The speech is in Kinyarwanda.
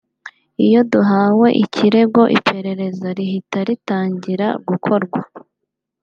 iyo duhawe ikirego iperereza rihita ritangira gukorwa